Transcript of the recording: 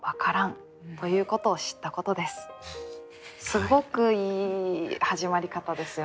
すごくいい始まり方ですよね。